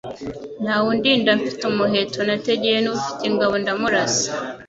nta we undinda mfite umuheto, nategeye n'ufite ingabo ndamurasa